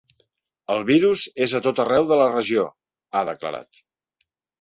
El virus és a tot arreu de la regió, ha declarat.